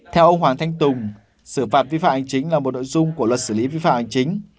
theo ông hoàng thanh tùng xử phạt vi phạm hành chính là một nội dung của luật xử lý vi phạm hành chính